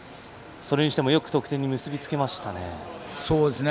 それにしてもよく得点に結び付けましたね。